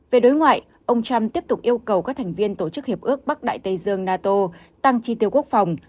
về đối ngoại ông trump tiếp tục yêu cầu các thành viên tổ chức hiệp ước bắc đại tây dương nato tăng tri tiêu quốc phòng